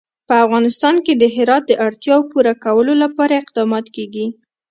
په افغانستان کې د هرات د اړتیاوو پوره کولو لپاره اقدامات کېږي.